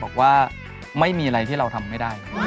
บอกว่าไม่มีอะไรที่เราทำไม่ได้